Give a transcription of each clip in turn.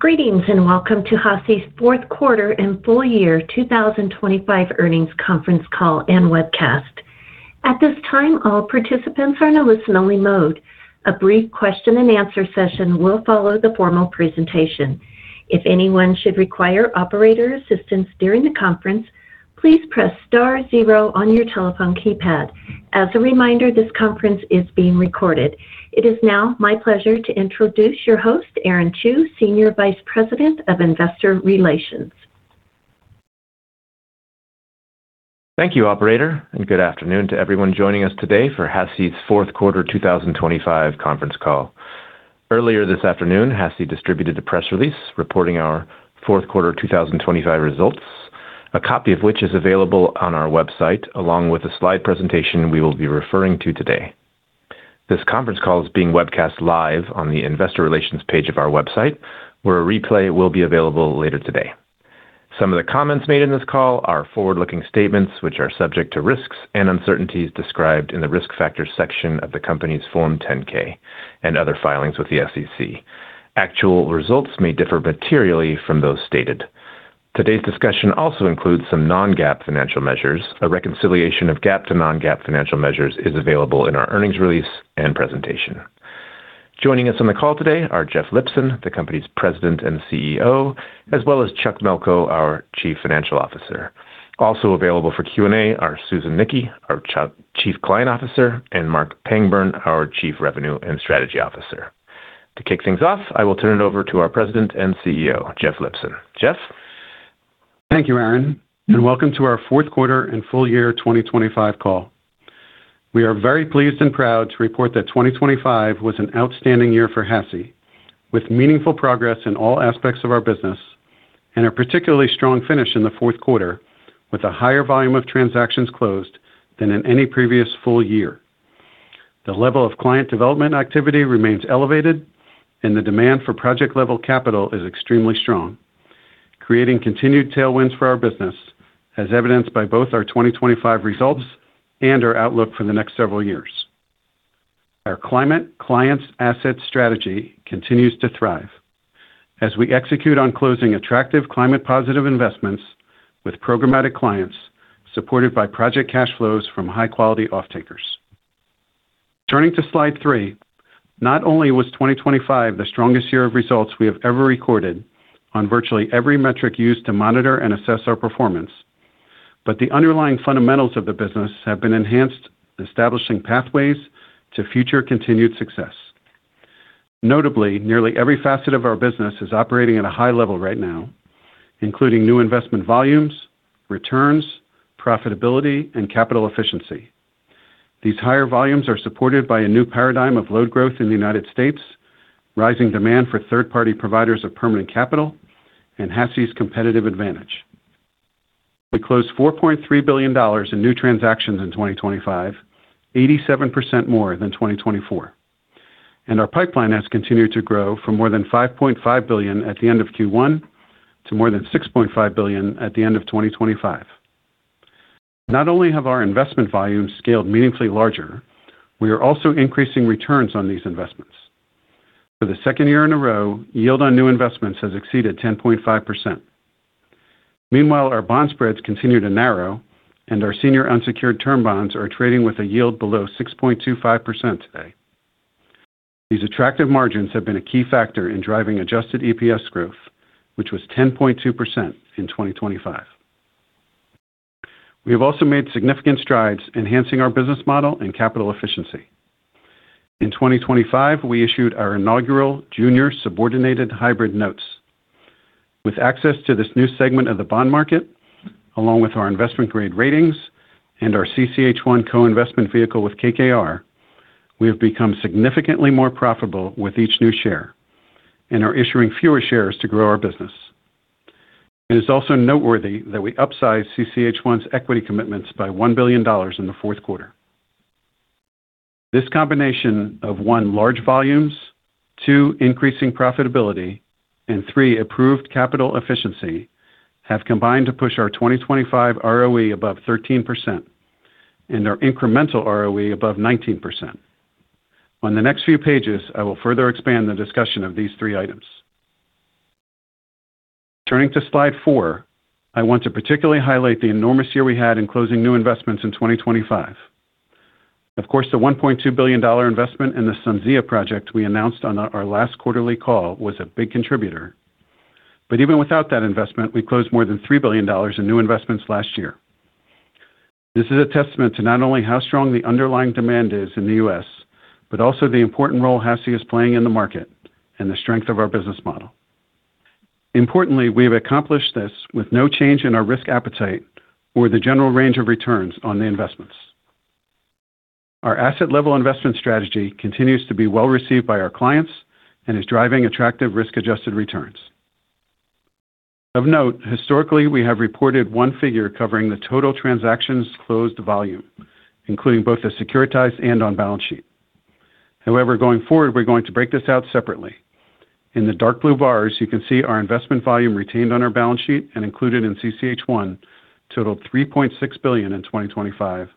Greetings, and welcome to HASI's Fourth Quarter and Full Year 2025 Earnings Conference Call and Webcast. At this time, all participants are in a listen-only mode. A brief question and answer session will follow the formal presentation. If anyone should require operator assistance during the conference, please press star zero on your telephone keypad. As a reminder, this conference is being recorded. It is now my pleasure to introduce your host, Aaron Chew, Senior Vice President of Investor Relations. Thank you, operator, and good afternoon to everyone joining us today for HASI's Fourth Quarter 2025 Conference Call. Earlier this afternoon, HASI distributed a press release reporting our fourth quarter 2025 results, a copy of which is available on our website, along with a slide presentation we will be referring to today. This conference call is being webcast live on the investor relations page of our website, where a replay will be available later today. Some of the comments made in this call are forward-looking statements, which are subject to risks and uncertainties described in the Risk Factors section of the company's Form 10-K and other filings with the SEC. Actual results may differ materially from those stated. Today's discussion also includes some non-GAAP financial measures. A reconciliation of GAAP to non-GAAP financial measures is available in our earnings release and presentation. Joining us on the call today are Jeff Lipson, the company's President and CEO, as well as Chuck Melko, our Chief Financial Officer. Also available for Q&A are Susan Nickey, our Chief Client Officer, and Marc Pangburn, our Chief Revenue and Strategy Officer. To kick things off, I will turn it over to our President and CEO, Jeff Lipson. Jeff? Thank you, Aaron, and welcome to our fourth quarter and full year 2025 call. We are very pleased and proud to report that 2025 was an outstanding year for HASI, with meaningful progress in all aspects of our business and a particularly strong finish in the fourth quarter, with a higher volume of transactions closed than in any previous full year. The level of client development activity remains elevated, and the demand for project-level capital is extremely strong, creating continued tailwinds for our business, as evidenced by both our 2025 results and our outlook for the next several years. Our climate clients asset strategy continues to thrive as we execute on closing attractive climate-positive investments with programmatic clients, supported by project cash flows from high-quality off-takers. Turning to Slide 3, not only was 2025 the strongest year of results we have ever recorded on virtually every metric used to monitor and assess our performance, but the underlying fundamentals of the business have been enhanced, establishing pathways to future continued success. Notably, nearly every facet of our business is operating at a high level right now, including new investment volumes, returns, profitability, and capital efficiency. These higher volumes are supported by a new paradigm of load growth in the United States, rising demand for third-party providers of permanent capital, and HASI's competitive advantage. We closed $4.3 billion in new transactions in 2025, 87% more than 2024, and our pipeline has continued to grow from more than $5.5 billion at the end of Q1 to more than $6.5 billion at the end of 2025. Not only have our investment volumes scaled meaningfully larger, we are also increasing returns on these investments. For the second year in a row, yield on new investments has exceeded 10.5%. Meanwhile, our bond spreads continue to narrow, and our senior unsecured term bonds are trading with a yield below 6.25% today. These attractive margins have been a key factor in driving Adjusted EPS growth, which was 10.2% in 2025. We have also made significant strides enhancing our business model and capital efficiency. In 2025, we issued our inaugural junior subordinated hybrid notes. With access to this new segment of the bond market, along with our investment-grade ratings and our CCH1 co-investment vehicle with KKR, we have become significantly more profitable with each new share and are issuing fewer shares to grow our business. It is also noteworthy that we upsized CCH1's equity commitments by $1 billion in the fourth quarter. This combination of, one, large volumes, two, increasing profitability, and three, improved capital efficiency, have combined to push our 2025 ROE above 13% and our incremental ROE above 19%. On the next few pages, I will further expand the discussion of these three items. Turning to Slide 4, I want to particularly highlight the enormous year we had in closing new investments in 2025. Of course, the $1.2 billion investment in the SunZia project we announced on our last quarterly call was a big contributor. But even without that investment, we closed more than $3 billion in new investments last year. This is a testament to not only how strong the underlying demand is in the U.S., but also the important role HASI is playing in the market and the strength of our business model. Importantly, we have accomplished this with no change in our risk appetite or the general range of returns on the investments. Our asset-level investment strategy continues to be well-received by our clients and is driving attractive risk-adjusted returns. Of note, historically, we have reported one figure covering the total transactions closed volume, including both the securitized and on-balance sheet. However, going forward, we're going to break this out separately. In the dark blue bars, you can see our investment volume retained on our balance sheet and included in CCH1 totaled $3.6 billion in 2025,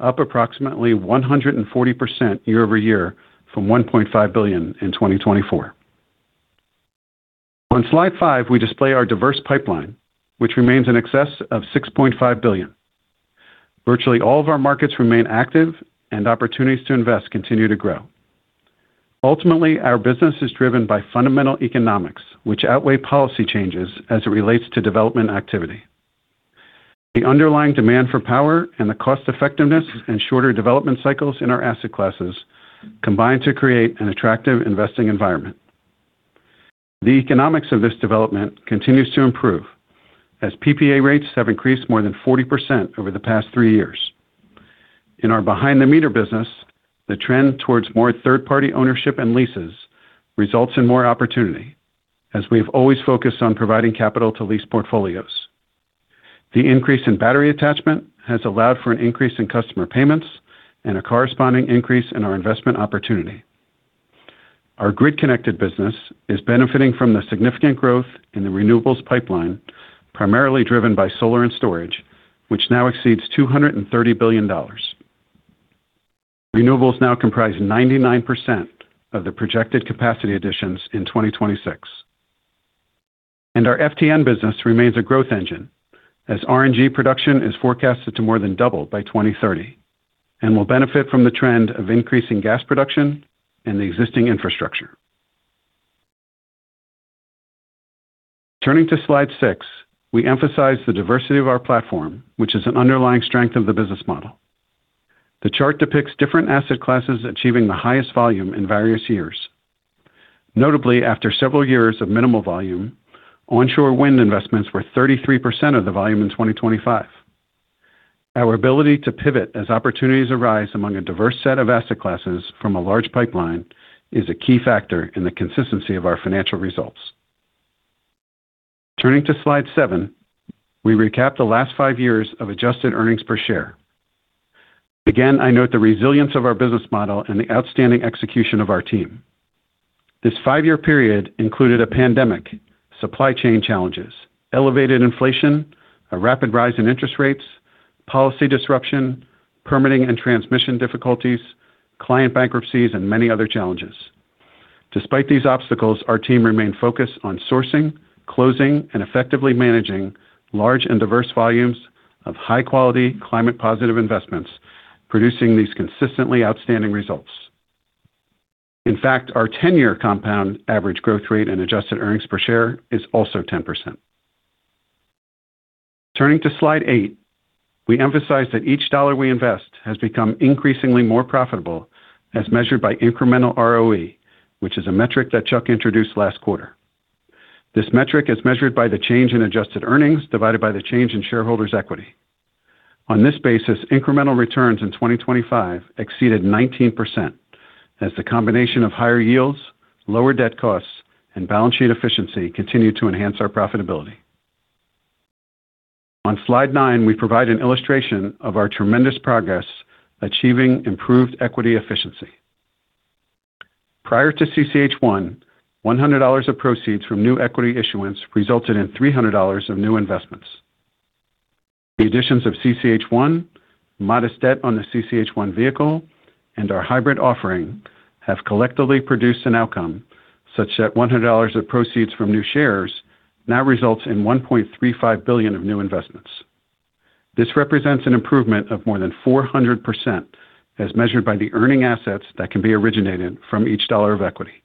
up approximately 140% year-over-year from $1.5 billion in 2024. On slide five, we display our diverse pipeline, which remains in excess of $6.5 billion. Virtually all of our markets remain active and opportunities to invest continue to grow. Ultimately, our business is driven by fundamental economics, which outweigh policy changes as it relates to development activity. The underlying demand for power and the cost effectiveness and shorter development cycles in our asset classes combine to create an attractive investing environment. The economics of this development continues to improve as PPA rates have increased more than 40% over the past three years. In our behind-the-meter business, the trend towards more third-party ownership and leases results in more opportunity, as we've always focused on providing capital to lease portfolios. The increase in battery attachment has allowed for an increase in customer payments and a corresponding increase in our investment opportunity. Our grid-connected business is benefiting from the significant growth in the renewables pipeline, primarily driven by solar and storage, which now exceeds $230 billion. Renewables now comprise 99% of the projected capacity additions in 2026. Our FTN business remains a growth engine as RNG production is forecasted to more than double by 2030 and will benefit from the trend of increasing gas production and the existing infrastructure. Turning to slide 6, we emphasize the diversity of our platform, which is an underlying strength of the business model. The chart depicts different asset classes achieving the highest volume in various years. Notably, after several years of minimal volume, onshore wind investments were 33% of the volume in 2025. Our ability to pivot as opportunities arise among a diverse set of asset classes from a large pipeline is a key factor in the consistency of our financial results. Turning to slide 7, we recap the last five years of adjusted earnings per share. Again, I note the resilience of our business model and the outstanding execution of our team. This five-year period included a pandemic, supply chain challenges, elevated inflation, a rapid rise in interest rates, policy disruption, permitting and transmission difficulties, client bankruptcies, and many other challenges. Despite these obstacles, our team remained focused on sourcing, closing, and effectively managing large and diverse volumes of high-quality, climate-positive investments, producing these consistently outstanding results. In fact, our ten-year compound average growth rate and adjusted earnings per share is also 10%. Turning to slide 8, we emphasize that each dollar we invest has become increasingly more profitable as measured by incremental ROE, which is a metric that Chuck introduced last quarter. This metric is measured by the change in adjusted earnings, divided by the change in shareholders' equity. On this basis, incremental returns in 2025 exceeded 19%, as the combination of higher yields, lower debt costs, and balance sheet efficiency continued to enhance our profitability. On slide 9, we provide an illustration of our tremendous progress achieving improved equity efficiency. Prior to CCH1, $100 of proceeds from new equity issuance resulted in $300 of new investments. The additions of CCH1, modest debt on the CCH1 vehicle, and our hybrid offering have collectively produced an outcome such that $100 of proceeds from new shares now results in $1.35 billion of new investments. This represents an improvement of more than 400%, as measured by the earning assets that can be originated from each dollar of equity.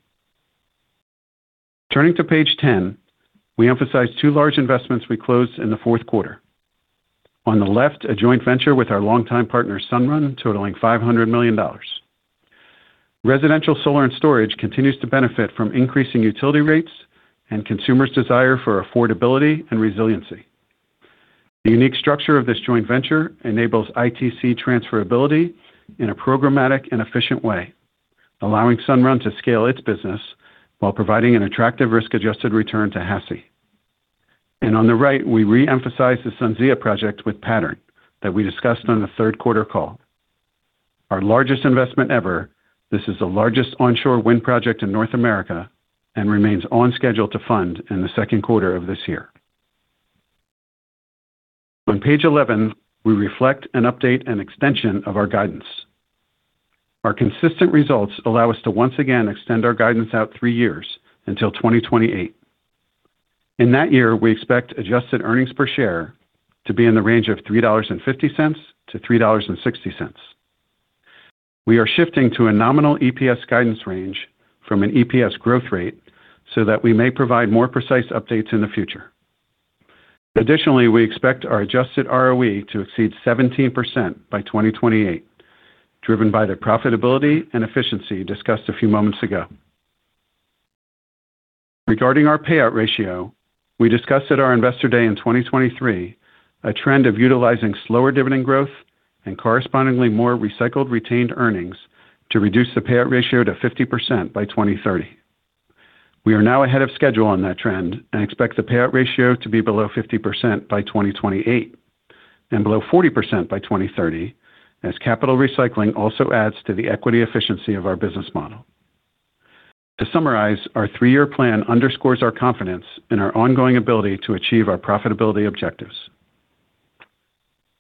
Turning to page 10, we emphasize two large investments we closed in the fourth quarter. On the left, a joint venture with our longtime partner, Sunrun, totaling $500 million. Residential solar and storage continues to benefit from increasing utility rates and consumers' desire for affordability and resiliency. The unique structure of this joint venture enables ITC transferability in a programmatic and efficient way, allowing Sunrun to scale its business while providing an attractive risk-adjusted return to HASI. On the right, we re-emphasize the SunZia project with Pattern that we discussed on the third quarter call. Our largest investment ever, this is the largest onshore wind project in North America and remains on schedule to fund in the second quarter of this year. On page 11, we reflect and update an extension of our guidance. Our consistent results allow us to once again extend our guidance out 3 years until 2028. In that year, we expect adjusted earnings per share to be in the range of $3.50-$3.60. We are shifting to a nominal EPS guidance range from an EPS growth rate so that we may provide more precise updates in the future. Additionally, we expect our adjusted ROE to exceed 17% by 2028, driven by the profitability and efficiency discussed a few moments ago. Regarding our payout ratio, we discussed at our Investor Day in 2023, a trend of utilizing slower dividend growth and correspondingly more recycled, retained earnings to reduce the payout ratio to 50% by 2030. We are now ahead of schedule on that trend and expect the payout ratio to be below 50% by 2028 and below 40% by 2030, as capital recycling also adds to the equity efficiency of our business model.... To summarize, our three-year plan underscores our confidence in our ongoing ability to achieve our profitability objectives.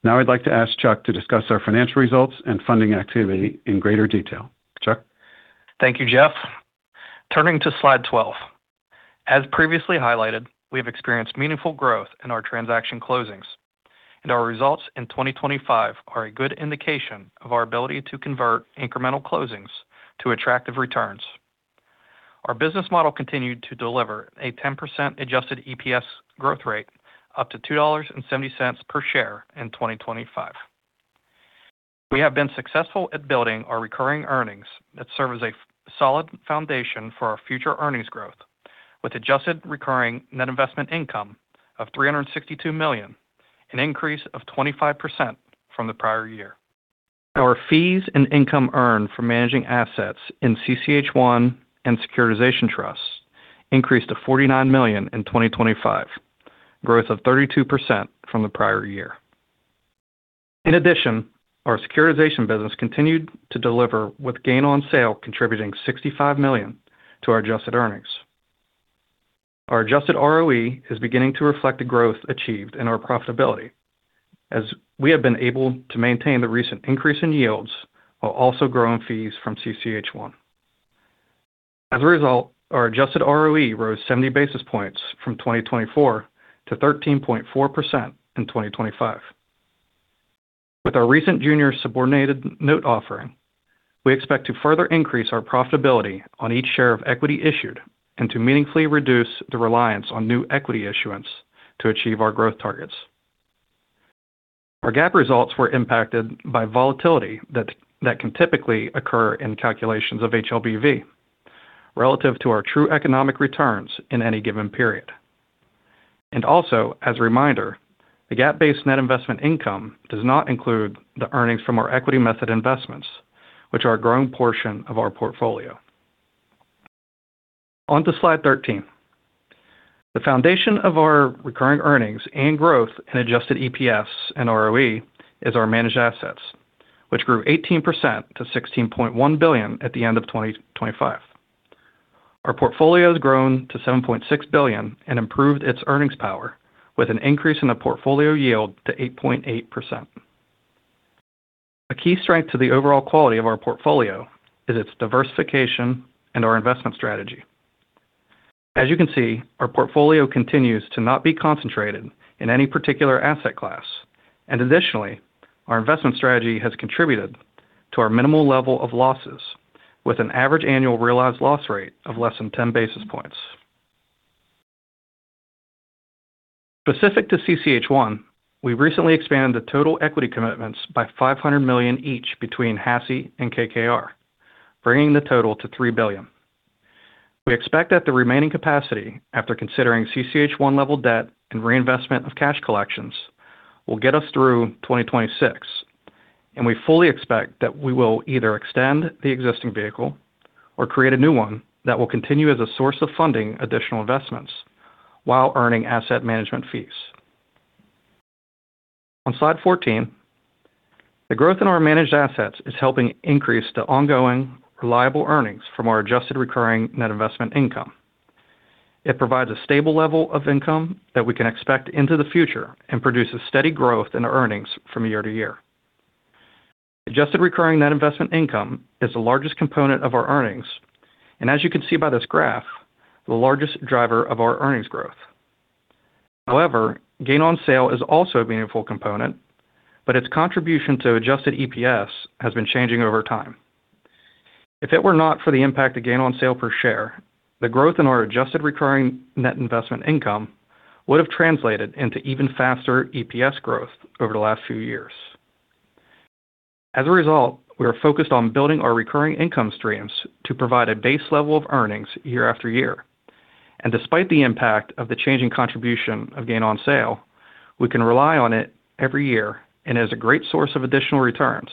Now, I'd like to ask Chuck to discuss our financial results and funding activity in greater detail. Chuck? Thank you, Jeff. Turning to slide 12. As previously highlighted, we have experienced meaningful growth in our transaction closings, and our results in 2025 are a good indication of our ability to convert incremental closings to attractive returns. Our business model continued to deliver a 10% Adjusted EPS growth rate, up to $2.70 per share in 2025. We have been successful at building our recurring earnings that serve as a solid foundation for our future earnings growth, with adjusted recurring net investment income of $362 million, an increase of 25% from the prior year. Our fees and income earned from managing assets in CCH1 and securitization trusts increased to $49 million in 2025, growth of 32% from the prior year. In addition, our securitization business continued to deliver with gain on sale, contributing $65 million to our adjusted earnings. Our adjusted ROE is beginning to reflect the growth achieved in our profitability, as we have been able to maintain the recent increase in yields while also growing fees from CCH1. As a result, our adjusted ROE rose 70 basis points from 2024 to 13.4% in 2025. With our recent junior subordinated note offering, we expect to further increase our profitability on each share of equity issued and to meaningfully reduce the reliance on new equity issuance to achieve our growth targets. Our GAAP results were impacted by volatility that can typically occur in calculations of HLBV relative to our true economic returns in any given period. Also, as a reminder, the GAAP-based net investment income does not include the earnings from our equity method investments, which are a growing portion of our portfolio. On to Slide 13. The foundation of our recurring earnings and growth in Adjusted EPS and ROE is our managed assets, which grew 18% to $16.1 billion at the end of 2025. Our portfolio has grown to $7.6 billion and improved its earnings power, with an increase in the portfolio yield to 8.8%. A key strength to the overall quality of our portfolio is its diversification and our investment strategy. As you can see, our portfolio continues to not be concentrated in any particular asset class, and additionally, our investment strategy has contributed to our minimal level of losses with an average annual realized loss rate of less than 10 basis points. Specific to CCH1, we recently expanded the total equity commitments by $500 million each between HASI and KKR, bringing the total to $3 billion. We expect that the remaining capacity, after considering CCH1-level debt and reinvestment of cash collections, will get us through 2026, and we fully expect that we will either extend the existing vehicle or create a new one that will continue as a source of funding additional investments while earning asset management fees. On Slide 14, the growth in our managed assets is helping increase the ongoing reliable earnings from our adjusted recurring net investment income. It provides a stable level of income that we can expect into the future and produces steady growth in earnings from year to year. Adjusted recurring net investment income is the largest component of our earnings, and as you can see by this graph, the largest driver of our earnings growth. However, gain on sale is also a meaningful component, but its contribution to Adjusted EPS has been changing over time. If it were not for the impact of gain on sale per share, the growth in our adjusted recurring net investment income would have translated into even faster EPS growth over the last few years. As a result, we are focused on building our recurring income streams to provide a base level of earnings year after year, and despite the impact of the changing contribution of gain on sale, we can rely on it every year and as a great source of additional returns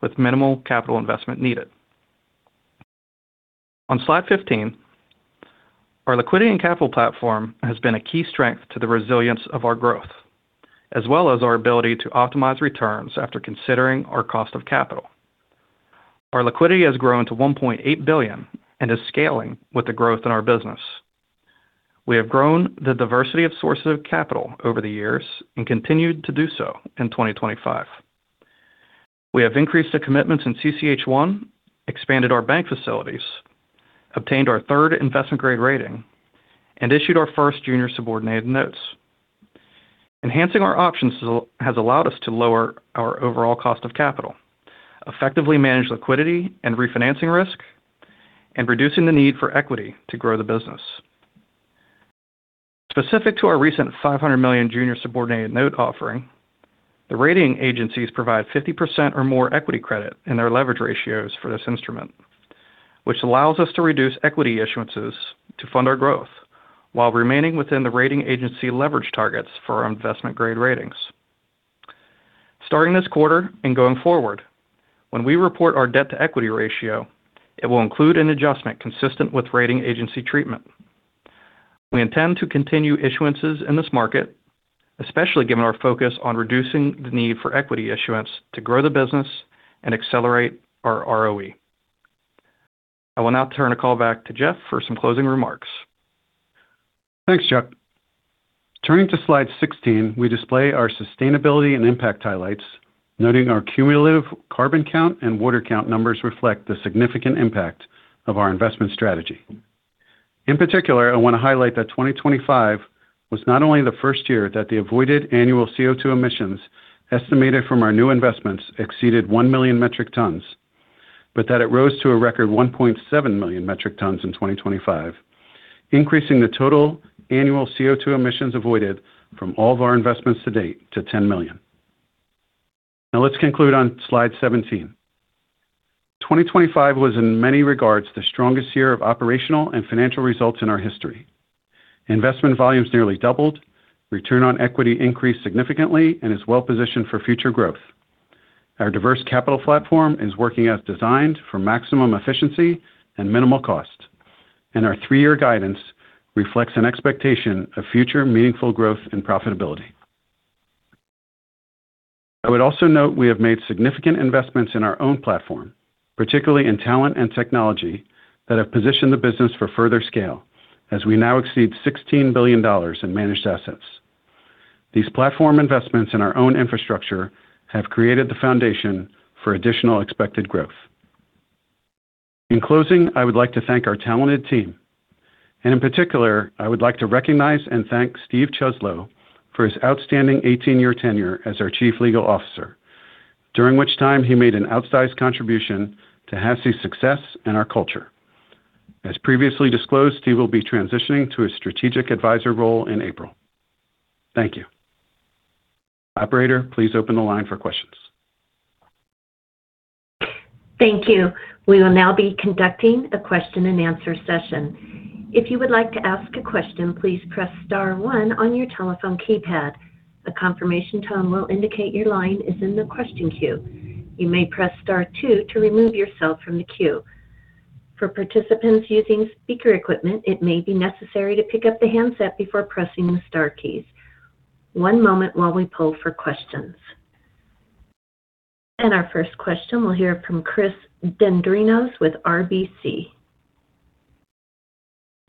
with minimal capital investment needed. On Slide 15, our liquidity and capital platform has been a key strength to the resilience of our growth, as well as our ability to optimize returns after considering our cost of capital. Our liquidity has grown to $1.8 billion and is scaling with the growth in our business. We have grown the diversity of sources of capital over the years and continued to do so in 2025. We have increased the commitments in CCH1, expanded our bank facilities, obtained our third investment grade rating, and issued our first junior subordinated notes. Enhancing our options has allowed us to lower our overall cost of capital, effectively manage liquidity and refinancing risk, and reducing the need for equity to grow the business. Specific to our recent $500 million junior subordinated note offering, the rating agencies provide 50% or more equity credit in their leverage ratios for this instrument, which allows us to reduce equity issuances to fund our growth while remaining within the rating agency leverage targets for our investment-grade ratings. Starting this quarter and going forward, when we report our debt-to-equity ratio, it will include an adjustment consistent with rating agency treatment. We intend to continue issuances in this market, especially given our focus on reducing the need for equity issuance to grow the business and accelerate our ROE. I will now turn the call back to Jeff for some closing remarks. Thanks, Chuck. Turning to slide 16, we display our sustainability and impact highlights, noting our cumulative CarbonCount and WaterCount numbers reflect the significant impact of our investment strategy. In particular, I want to highlight that 2025 was not only the first year that the avoided annual CO₂ emissions estimated from our new investments exceeded 1 million metric tons, but that it rose to a record 1.7 million metric tons in 2025, increasing the total annual CO₂ emissions avoided from all of our investments to date to 10 million. Now, let's conclude on slide 17. 2025 was, in many regards, the strongest year of operational and financial results in our history. Investment volumes nearly doubled, return on equity increased significantly and is well-positioned for future growth. Our diverse capital platform is working as designed for maximum efficiency and minimal cost, and our three-year guidance reflects an expectation of future meaningful growth and profitability. I would also note we have made significant investments in our own platform, particularly in talent and technology, that have positioned the business for further scale as we now exceed $16 billion in managed assets. These platform investments in our own infrastructure have created the foundation for additional expected growth. In closing, I would like to thank our talented team, and in particular, I would like to recognize and thank Steve Chuslo for his outstanding eighteen-year tenure as our Chief Legal Officer, during which time he made an outsized contribution to HASI's success and our culture. As previously disclosed, he will be transitioning to a strategic advisor role in April. Thank you. Operator, please open the line for questions. Thank you. We will now be conducting a question-and-answer session. If you would like to ask a question, please press star 1 on your telephone keypad. A confirmation tone will indicate your line is in the question queue. You may press star 2 to remove yourself from the queue. For participants using speaker equipment, it may be necessary to pick up the handset before pressing the star keys. One moment while we pull for questions. Our first question, we'll hear from Chris Dendrinos with RBC.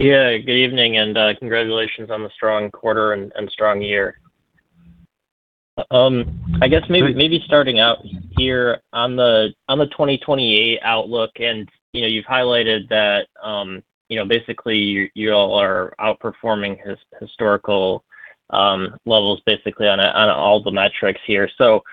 Yeah, good evening, and congratulations on the strong quarter and strong year. I guess maybe starting out here on the 2028 outlook, and you know, you've highlighted that you know, basically, you all are outperforming historical levels, basically on all the metrics here. So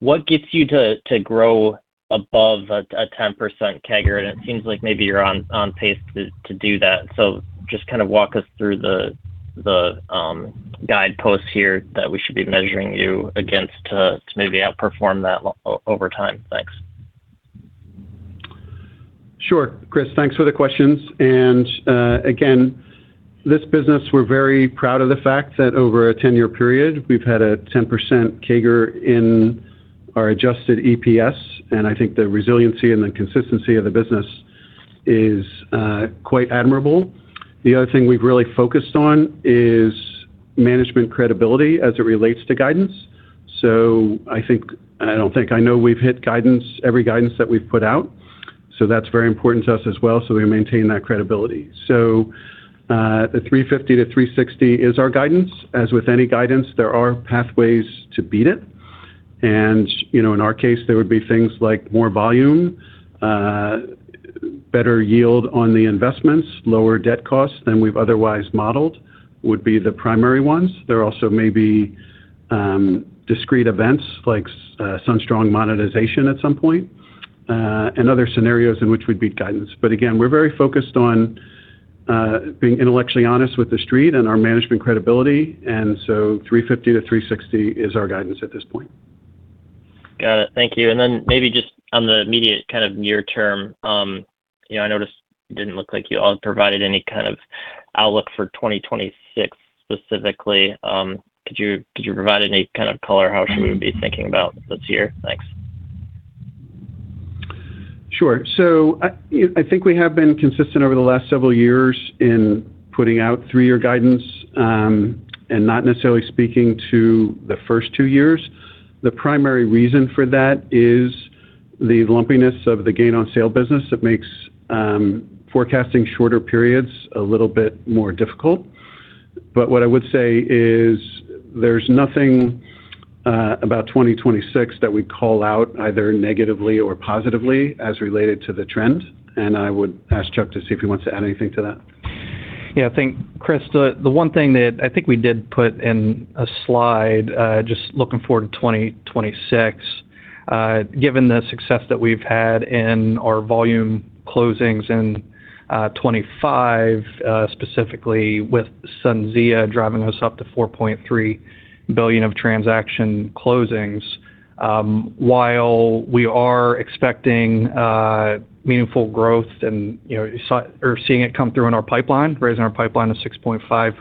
what gets you to grow above a 10% CAGR? And it seems like maybe you're on pace to do that. So just kind of walk us through the guideposts here that we should be measuring you against to maybe outperform that over time. Thanks. Sure. Chris, thanks for the questions. And, again, this business, we're very proud of the fact that over a ten-year period, we've had a 10% CAGR in our adjusted EPS, and I think the resiliency and the consistency of the business is quite admirable. The other thing we've really focused on is management credibility as it relates to guidance. So I think, I don't think I know we've hit guidance, every guidance that we've put out, so that's very important to us as well, so we maintain that credibility. So, the $3.50-$3.60 is our guidance. As with any guidance, there are pathways to beat it. And, you know, in our case, there would be things like more volume, better yield on the investments, lower debt costs than we've otherwise modeled, would be the primary ones. There also may be discrete events like some strong monetization at some point, and other scenarios in which we'd beat guidance. But again, we're very focused on being intellectually honest with the Street and our management credibility, and so $3.50-$3.60 is our guidance at this point. Got it. Thank you. And then maybe just on the immediate kind of near term, you know, I noticed it didn't look like you all provided any kind of outlook for 2026, specifically. Could you, could you provide any kind of color? How should we be thinking about this year? Thanks. Sure. So I, you know, I think we have been consistent over the last several years in putting out three-year guidance, and not necessarily speaking to the first two years. The primary reason for that is the lumpiness of the gain on sale business. It makes, forecasting shorter periods a little bit more difficult. But what I would say is there's nothing, about 2026 that we'd call out, either negatively or positively, as related to the trend, and I would ask Chuck to see if he wants to add anything to that. Yeah, I think, Chris, the one thing that I think we did put in a slide, just looking forward to 2026, given the success that we've had in our volume closings in 2025, specifically with SunZia driving us up to $4.3 billion of transaction closings, while we are expecting meaningful growth and, you know, seeing it come through in our pipeline, raising our pipeline to $6.5 billion....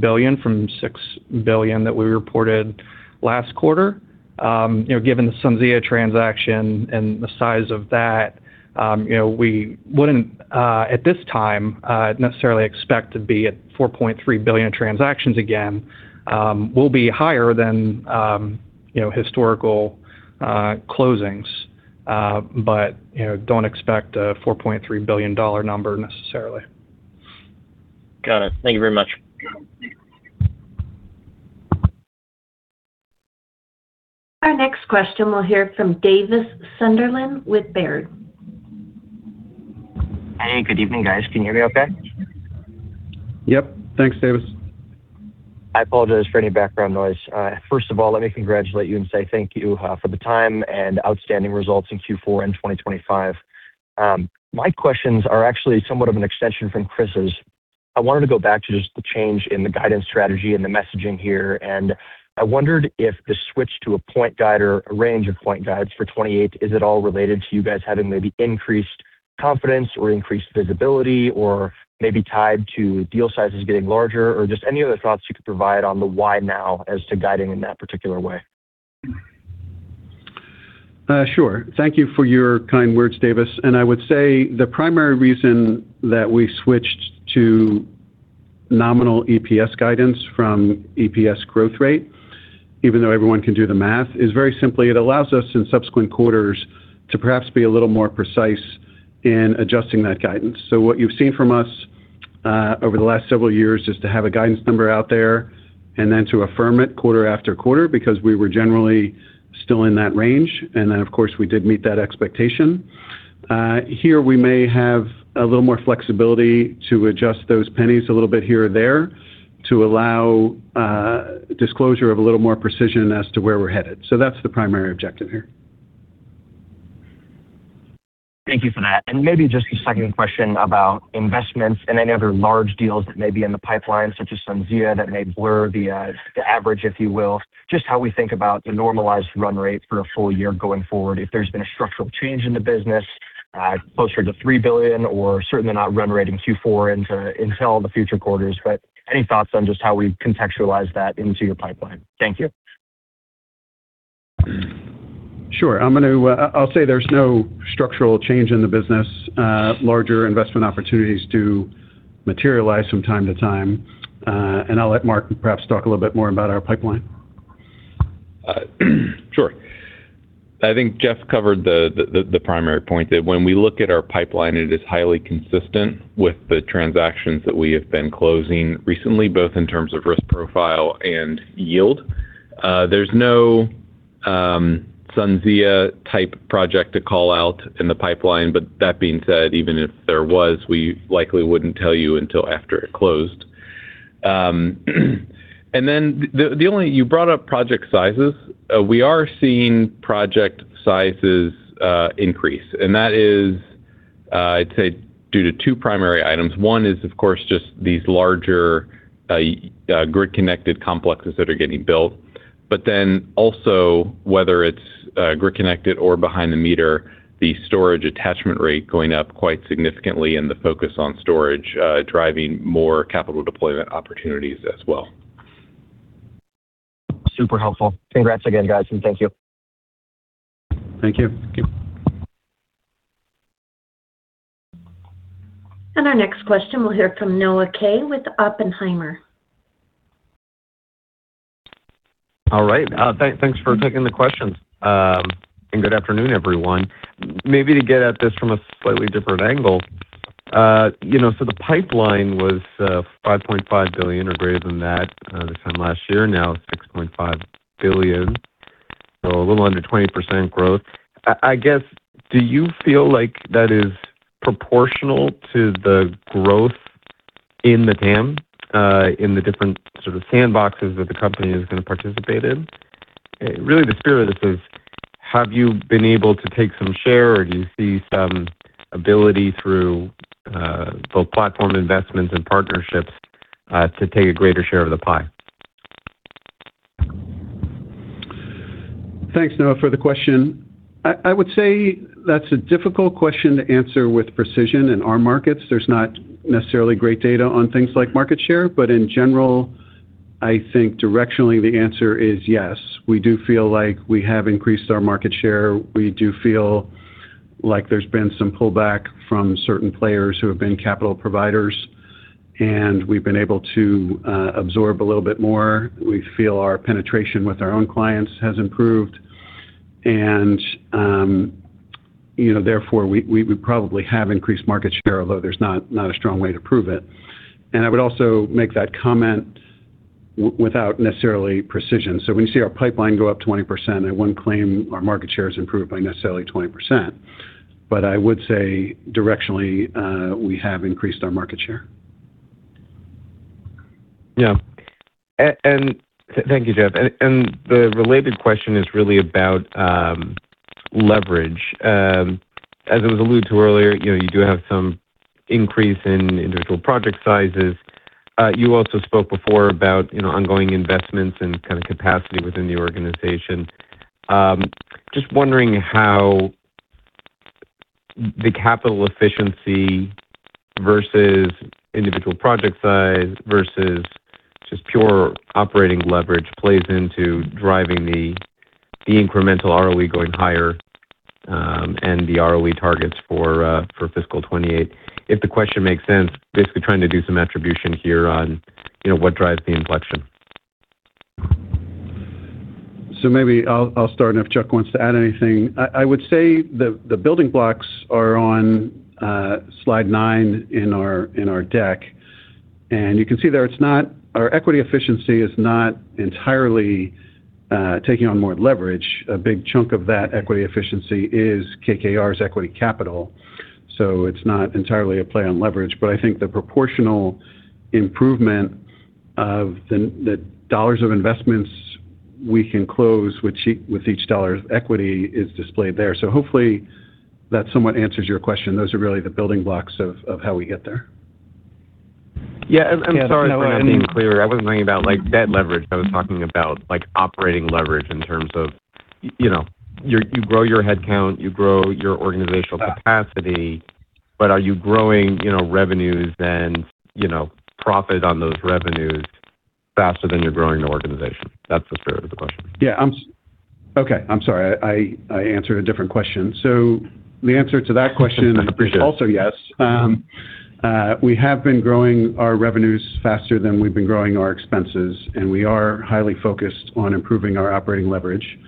billion from $6 billion that we reported last quarter. You know, given the SunZia transaction and the size of that, you know, we wouldn't, at this time, necessarily expect to be at $4.3 billion transactions again. We'll be higher than, you know, historical, closings, but, you know, don't expect a $4.3 billion dollar number necessarily. Got it. Thank you very much. Our next question we'll hear from Davis Sunderland with Baird. Hey, good evening, guys. Can you hear me okay? Yep. Thanks, Davis. I apologize for any background noise. First of all, let me congratulate you and say thank you for the time and outstanding results in Q4 and 2025. My questions are actually somewhat of an extension from Chris's. I wanted to go back to just the change in the guidance strategy and the messaging here, and I wondered if the switch to a point guide or a range of point guides for 2028, is it all related to you guys having maybe increased confidence or increased visibility, or maybe tied to deal sizes getting larger? Or just any other thoughts you could provide on the why now as to guiding in that particular way? Sure. Thank you for your kind words, Davis. And I would say the primary reason that we switched to nominal EPS guidance from EPS growth rate, even though everyone can do the math, is very simply, it allows us in subsequent quarters to perhaps be a little more precise in adjusting that guidance. So what you've seen from us, over the last several years is to have a guidance number out there and then to affirm it quarter after quarter, because we were generally still in that range, and then, of course, we did meet that expectation. Here we may have a little more flexibility to adjust those pennies a little bit here or there to allow, disclosure of a little more precision as to where we're headed. So that's the primary objective here. Thank you for that. Maybe just a second question about investments and any other large deals that may be in the pipeline, such as SunZia, that may blur the average, if you will. Just how we think about the normalized run rate for a full year going forward, if there's been a structural change in the business closer to $3 billion, or certainly not run rate in Q4 into all the future quarters. Any thoughts on just how we contextualize that into your pipeline? Thank you. Sure. I'll say there's no structural change in the business. Larger investment opportunities do materialize from time to time. And I'll let Marc perhaps talk a little bit more about our pipeline. Sure. I think Jeff covered the primary point, that when we look at our pipeline, it is highly consistent with the transactions that we have been closing recently, both in terms of risk profile and yield. There's no SunZia-type project to call out in the pipeline, but that being said, even if there was, we likely wouldn't tell you until after it closed. You brought up project sizes. We are seeing project sizes increase, and that is, I'd say, due to two primary items. One is, of course, just these larger grid-connected complexes that are getting built. But then also, whether it's grid-connected or behind the meter, the storage attachment rate going up quite significantly and the focus on storage driving more capital deployment opportunities as well. Super helpful. Congrats again, guys, and thank you. Thank you. Thank you. Our next question, we'll hear from Noah Kaye with Oppenheimer. All right. Thanks for taking the questions. And good afternoon, everyone. Maybe to get at this from a slightly different angle. You know, so the pipeline was $5.5 billion or greater than that this time last year. Now it's $6.5 billion, so a little under 20% growth. I guess, do you feel like that is proportional to the growth in the TAM in the different sort of sandboxes that the company is going to participate in? Really, the spirit of this is: have you been able to take some share, or do you see some ability through both platform investments and partnerships to take a greater share of the pie? Thanks, Noah, for the question. I would say that's a difficult question to answer with precision in our markets. There's not necessarily great data on things like market share, but in general, I think directionally the answer is yes. We do feel like we have increased our market share. We do feel like there's been some pullback from certain players who have been capital providers, and we've been able to absorb a little bit more. We feel our penetration with our own clients has improved, and, you know, therefore, we probably have increased market share, although there's not a strong way to prove it. I would also make that comment without necessarily precision. So when you see our pipeline go up 20%, I wouldn't claim our market share has improved by necessarily 20%, but I would say, directionally, we have increased our market share. Yeah. And thank you, Jeff. And the related question is really about leverage. As it was alluded to earlier, you know, you do have some increase in individual project sizes. You also spoke before about, you know, ongoing investments and kind of capacity within the organization. Just wondering how the capital efficiency versus individual project size versus just pure operating leverage plays into driving the incremental ROE going higher, and the ROE targets for fiscal 2028? If the question makes sense, basically trying to do some attribution here on, you know, what drives the inflection. So maybe I'll start, and if Chuck wants to add anything. I would say the building blocks are on slide nine in our deck, and you can see there it's not. Our equity efficiency is not entirely taking on more leverage. A big chunk of that equity efficiency is KKR's equity capital, so it's not entirely a play on leverage. But I think the proportional improvement of the dollars of investments we can close with each dollar of equity is displayed there. So hopefully that somewhat answers your question. Those are really the building blocks of how we get there. Yeah, I'm sorry if I'm not being clear. I wasn't talking about like debt leverage. I was talking about, like, operating leverage in terms of, you know, you grow your headcount, you grow your organizational capacity, but are you growing, you know, revenues and, you know, profit on those revenues faster than you're growing the organization? That's the spirit of the question. Okay, I'm sorry. I answered a different question. So the answer to that question- I appreciate it. It is also yes. We have been growing our revenues faster than we've been growing our expenses, and we are highly focused on improving our operating leverage.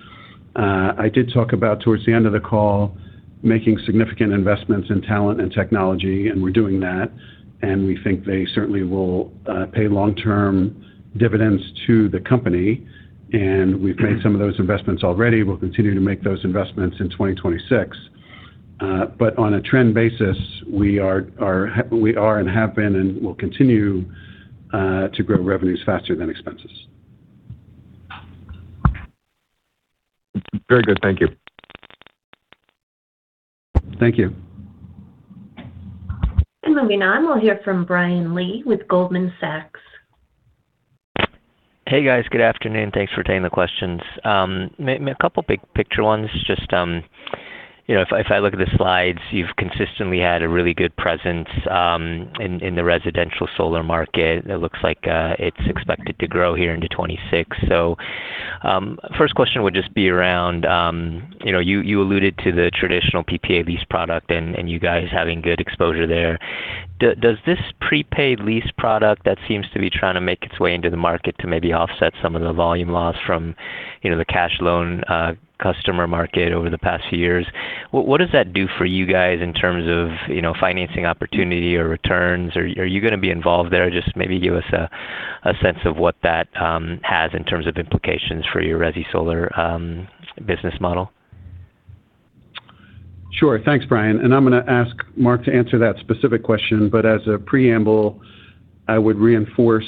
I did talk about, towards the end of the call, making significant investments in talent and technology, and we're doing that, and we think they certainly will pay long-term dividends to the company, and we've made some of those investments already. We'll continue to make those investments in 2026. But on a trend basis, we are and have been and will continue to grow revenues faster than expenses. Very good. Thank you. Thank you. Moving on, we'll hear from Brian Lee with Goldman Sachs. Hey, guys. Good afternoon. Thanks for taking the questions. A couple big picture ones. Just, you know, if I look at the slides, you've consistently had a really good presence in the residential solar market. It looks like it's expected to grow here into 2026. So, first question would just be around, you know, you alluded to the traditional PPA lease product and you guys having good exposure there. Does this prepaid lease product that seems to be trying to make its way into the market to maybe offset some of the volume loss from, you know, the cash loan customer market over the past few years, what does that do for you guys in terms of, you know, financing opportunity or returns? Or are you going to be involved there? Just maybe give us a sense of what that has in terms of implications for your resi solar business model. Sure. Thanks, Brian. And I'm going to ask Marc to answer that specific question, but as a preamble, I would reinforce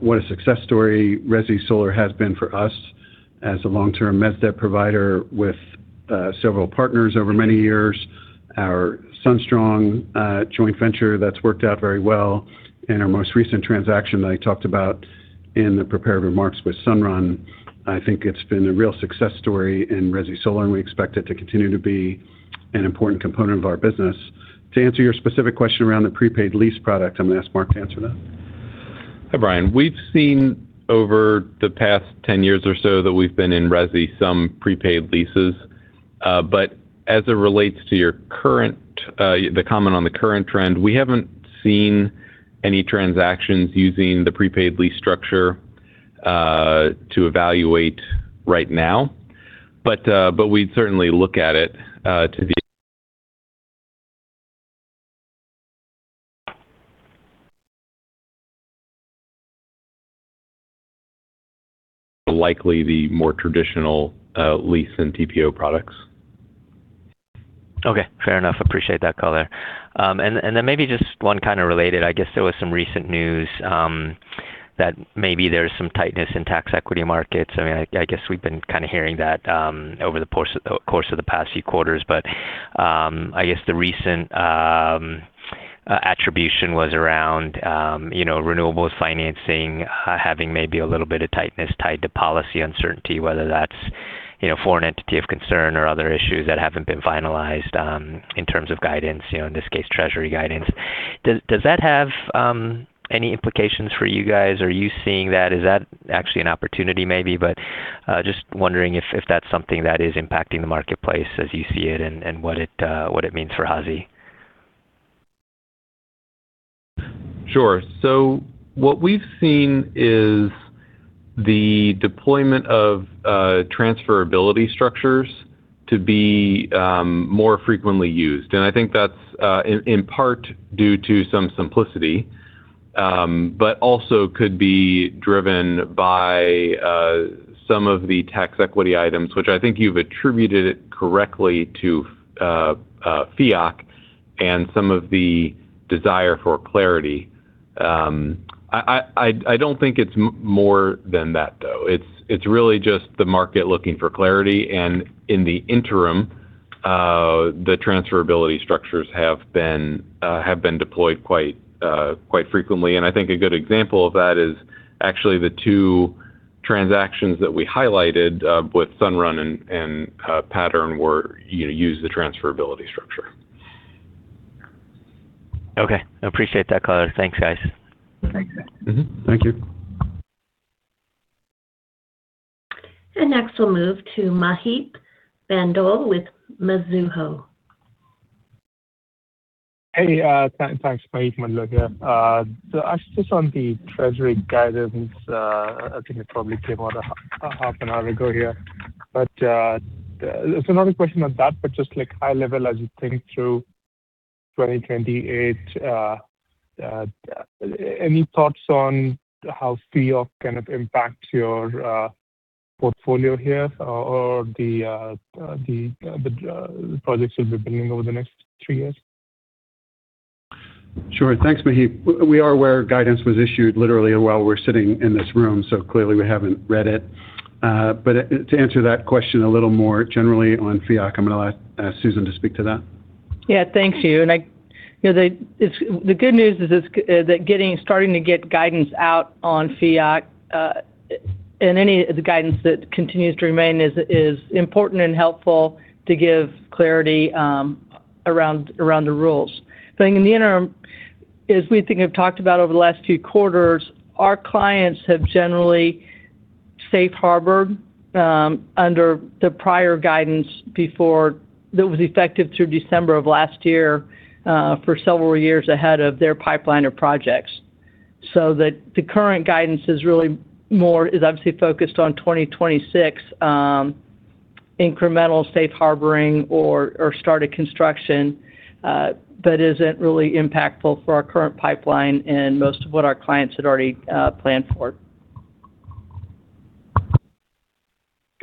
what a success story resi solar has been for us as a long-term mezz debt provider with several partners over many years. Our SunStrong joint venture, that's worked out very well. In our most recent transaction that I talked about in the prepared remarks with Sunrun, I think it's been a real success story in resi solar, and we expect it to continue to be an important component of our business. To answer your specific question around the prepaid lease product, I'm going to ask Marc to answer that. Hi, Brian. We've seen over the past 10 years or so that we've been in resi some prepaid leases. But as it relates to your current, the comment on the current trend, we haven't seen any transactions using the prepaid lease structure to evaluate right now, but, but we'd certainly look at it, likely the more traditional, lease than TPO products. Okay, fair enough. Appreciate that color. And then maybe just one kind of related. I guess there was some recent news that maybe there's some tightness in tax equity markets. I mean, I guess we've been kind of hearing that over the course of the past few quarters. But I guess the recent attribution was around, you know, renewables financing having maybe a little bit of tightness tied to policy uncertainty, whether that's, you know, Foreign Entity of Concern or other issues that haven't been finalized in terms of guidance, you know, in this case, Treasury guidance. Does that have any implications for you guys? Are you seeing that? Is that actually an opportunity, maybe, but just wondering if that's something that is impacting the marketplace as you see it and what it means for HASI? Sure. So what we've seen is the deployment of transferability structures to be more frequently used. And I think that's in part due to some simplicity, but also could be driven by some of the tax equity items, which I think you've attributed it correctly to FEOC and some of the desire for clarity. I don't think it's more than that, though. It's really just the market looking for clarity, and in the interim, the transferability structures have been deployed quite frequently. And I think a good example of that is actually the two.... transactions that we highlighted with Sunrun and Pattern were, you know, use the transferability structure. Okay, I appreciate that color. Thanks, guys. Thanks. Mm-hmm. Thank you. And next, we'll move to Maheep Mandloi with Mizuho. Hey, thanks, Maheep Mandloi here. So just on the Treasury guidance, I think it probably came out a half an hour ago here, but it's another question on that, but just like high level, as you think through 2028, any thoughts on how FEOC kind of impacts your portfolio here or the projects you'll be building over the next three years? Sure. Thanks, Maheep. We are aware guidance was issued literally while we're sitting in this room, so clearly we haven't read it. But to answer that question a little more generally on FEOC, I'm going to ask Susan to speak to that. Yeah. Thank you. And I, you know, the good news is that starting to get guidance out on FEOC and any of the guidance that continues to remain is important and helpful to give clarity around the rules. I think in the interim, as we think I've talked about over the last few quarters, our clients have generally safe harbored under the prior guidance before that was effective through December of last year for several years ahead of their pipeline or projects. So the current guidance is really more obviously focused on 2026 incremental safe harboring or started construction but isn't really impactful for our current pipeline and most of what our clients had already planned for. Got it.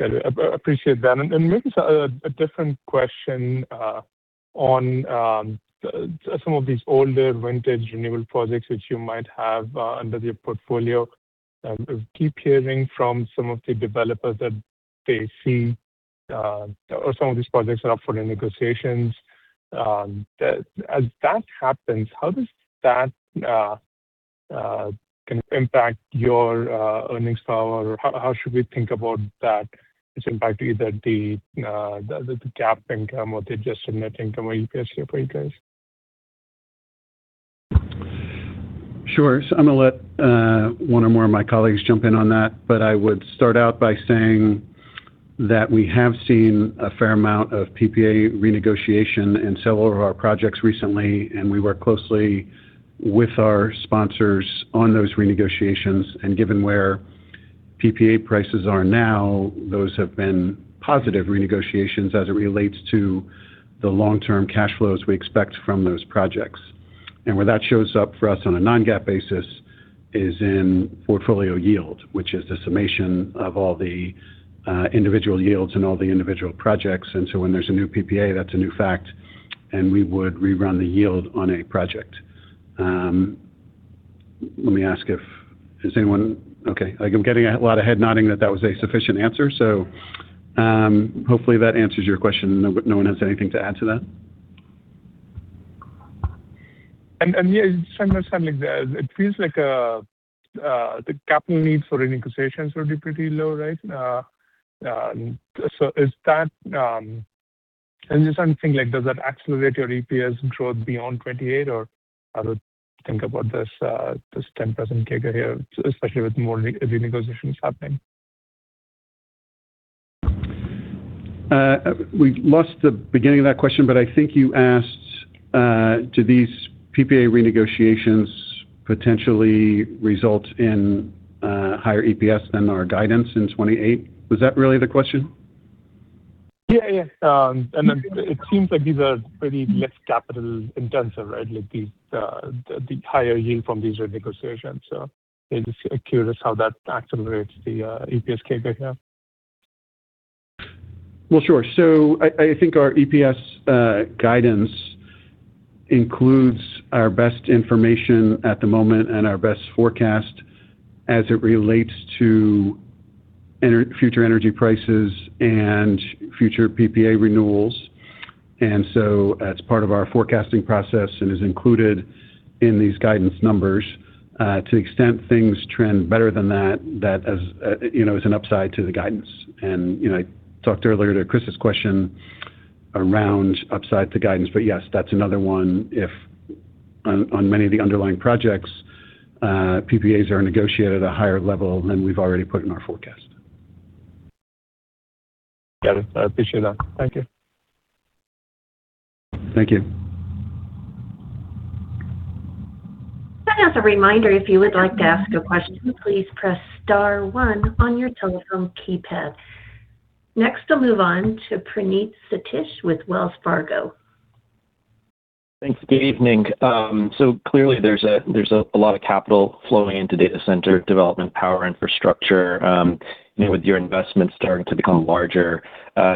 I appreciate that. And maybe so, a different question, on some of these older vintage renewable projects, which you might have under the portfolio. I keep hearing from some of the developers that they see or some of these projects are up for the negotiations. As that happens, how does that kind of impact your earnings power? How should we think about that, its impact, either the GAAP income or the adjusted net income or EPS for you guys? Sure. So I'm going to let one or more of my colleagues jump in on that, but I would start out by saying that we have seen a fair amount of PPA renegotiation in several of our projects recently, and we work closely with our sponsors on those renegotiations. And given where PPA prices are now, those have been positive renegotiations as it relates to the long-term cash flows we expect from those projects. And where that shows up for us on a non-GAAP basis is in portfolio yield, which is the summation of all the individual yields and all the individual projects. And so when there's a new PPA, that's a new fact, and we would rerun the yield on a project. Okay, I'm getting a lot of head nodding that was a sufficient answer, so hopefully that answers your question. No, no one has anything to add to that? Yeah, just understand, like, it feels like the capital needs for renegotiations would be pretty low, right? So is that... And just something like, does that accelerate your EPS growth beyond 28, or how to think about this 10% figure here, especially with more renegotiations happening? We lost the beginning of that question, but I think you asked, do these PPA renegotiations potentially result in higher EPS than our guidance in 2028? Was that really the question? Yeah, yeah. And then it seems like these are pretty less capital intensive, right? Like these, the higher yield from these renegotiations. So I'm just curious how that accelerates the EPS CAGR now. Well, sure. So I, I think our EPS guidance includes our best information at the moment and our best forecast as it relates to future energy prices and future PPA renewals. And so as part of our forecasting process and is included in these guidance numbers, to the extent things trend better than that, that, you know, is an upside to the guidance. And, you know, I talked earlier to Chris's question around upside to guidance, but yes, that's another one if on, on many of the underlying projects, PPAs are negotiated at a higher level than we've already put in our forecast. Got it. I appreciate that. Thank you. Thank you. As a reminder, if you would like to ask a question, please press star one on your telephone keypad. Next, we'll move on to Praneet Satish with Wells Fargo. Thanks. Good evening. So clearly there's a lot of capital flowing into data center development, power infrastructure, with your investment starting to become larger.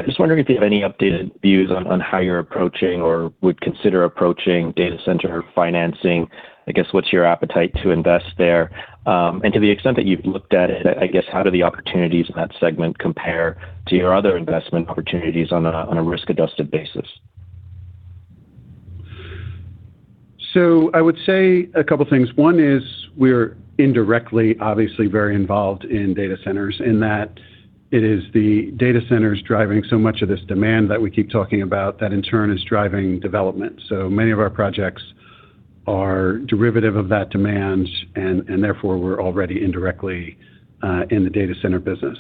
Just wondering if you have any updated views on how you're approaching or would consider approaching data center financing. I guess, what's your appetite to invest there? And to the extent that you've looked at it, I guess, how do the opportunities in that segment compare to your other investment opportunities on a risk-adjusted basis? ... So I would say a couple of things. One is we're indirectly, obviously, very involved in data centers, in that it is the data centers driving so much of this demand that we keep talking about that in turn is driving development. So many of our projects are derivative of that demand, and, and therefore, we're already indirectly, in the data center business.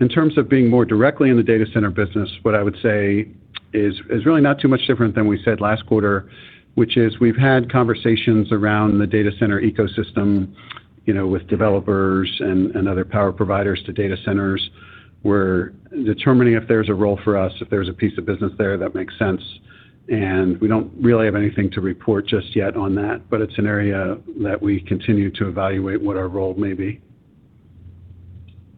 In terms of being more directly in the data center business, what I would say is, is really not too much different than we said last quarter, which is we've had conversations around the data center ecosystem, you know, with developers and, and other power providers to data centers. We're determining if there's a role for us, if there's a piece of business there that makes sense, and we don't really have anything to report just yet on that, but it's an area that we continue to evaluate what our role may be.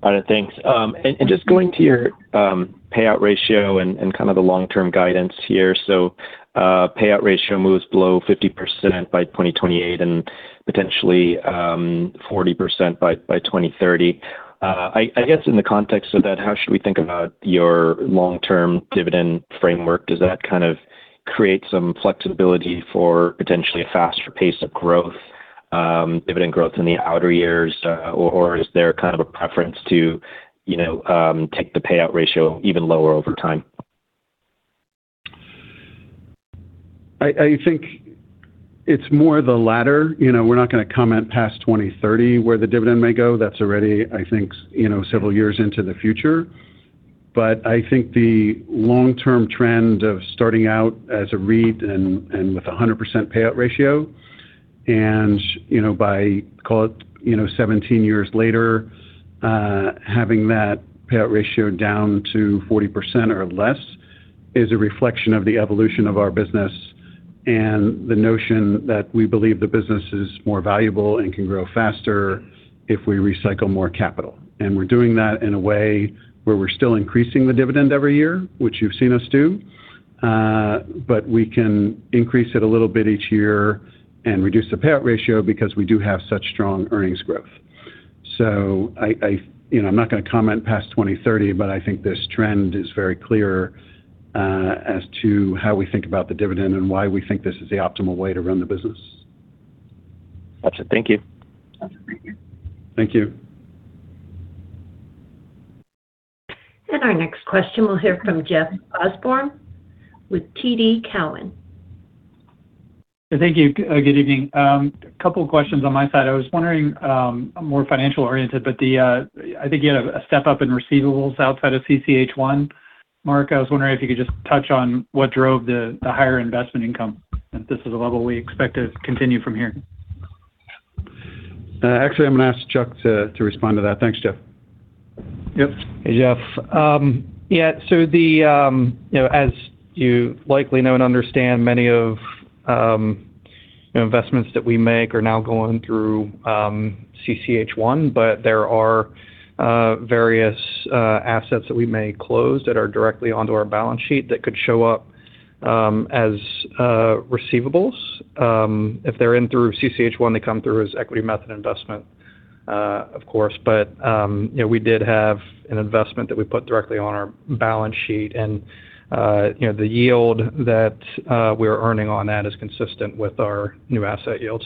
All right, thanks. And just going to your payout ratio and kind of the long-term guidance here. So, payout ratio moves below 50% by 2028 and potentially 40% by 2030. I guess in the context of that, how should we think about your long-term dividend framework? Does that kind of create some flexibility for potentially a faster pace of growth, dividend growth in the outer years, or is there kind of a preference to, you know, take the payout ratio even lower over time? I think it's more the latter. You know, we're not gonna comment past 2030, where the dividend may go. That's already, I think, you know, several years into the future. But I think the long-term trend of starting out as a REIT and with a 100% payout ratio, and, you know, by, call it, you know, 17 years later, having that payout ratio down to 40% or less, is a reflection of the evolution of our business and the notion that we believe the business is more valuable and can grow faster if we recycle more capital. And we're doing that in a way where we're still increasing the dividend every year, which you've seen us do. But we can increase it a little bit each year and reduce the payout ratio because we do have such strong earnings growth. So I'm not gonna comment past 2030, but I think this trend is very clear, as to how we think about the dividend and why we think this is the optimal way to run the business. Got you. Thank you. Thank you. Our next question, we'll hear from Jeff Osborne with TD Cowen. Thank you. Good evening. A couple of questions on my side. I was wondering, more financial-oriented, but I think you had a step up in receivables outside of CCH1. Marc, I was wondering if you could just touch on what drove the higher investment income, and if this is a level we expect to continue from here? Actually, I'm gonna ask Chuck to respond to that. Thanks, Jeff. Yep. Hey, Jeff. Yeah, so the, you know, as you likely know and understand, many of, you know, investments that we make are now going through CCH1, but there are various assets that we may close that are directly onto our balance sheet that could show up as receivables. If they're in through CCH1, they come through as equity method investment, of course. But, you know, we did have an investment that we put directly on our balance sheet, and, you know, the yield that we're earning on that is consistent with our new asset yields.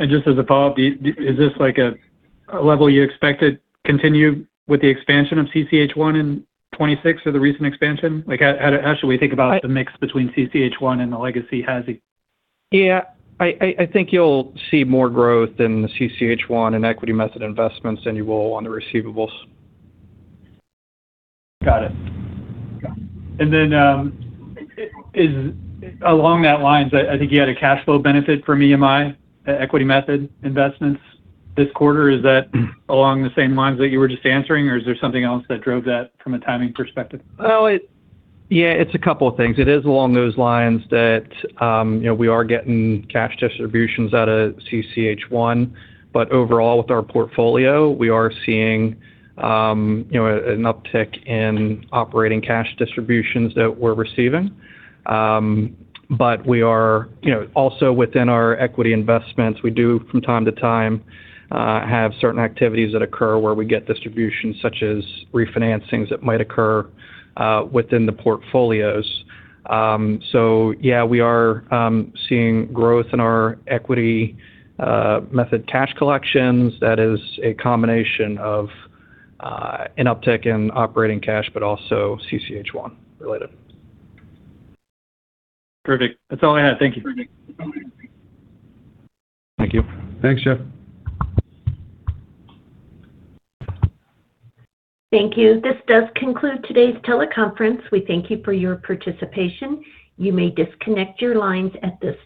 Just as a follow-up, is this like a level you expected continue with the expansion of CCH1 in 2026 or the recent expansion? Like, how should we think about the mix between CCH1 and the legacy HASI? Yeah. I think you'll see more growth in the CCH1 and equity method investments than you will on the receivables. Got it. And then, is along those lines, I think you had a cash flow benefit from EMI, equity method investments this quarter. Is that along the same lines that you were just answering, or is there something else that drove that from a timing perspective? Well, yeah, it's a couple of things. It is along those lines that, you know, we are getting cash distributions out of CCH1, but overall, with our portfolio, we are seeing, you know, an uptick in operating cash distributions that we're receiving. But we are, you know, also within our equity investments, we do, from time to time, have certain activities that occur where we get distributions, such as refinancings that might occur, within the portfolios. So yeah, we are seeing growth in our equity method cash collections. That is a combination of, an uptick in operating cash, but also CCH1 related. Perfect. That's all I had. Thank you. Thank you. Thanks, Jeff. Thank you. This does conclude today's teleconference. We thank you for your participation. You may disconnect your lines at this time.